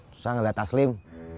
susah ngeliat taslim